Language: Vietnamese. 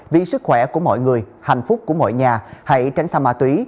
vì sức khỏe của mọi người hạnh phúc của mọi nhà hãy tránh xa ma túy